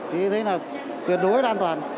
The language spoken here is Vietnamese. thì thế là tuyệt đối an toàn